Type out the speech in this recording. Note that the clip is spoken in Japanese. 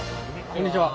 こんにちは。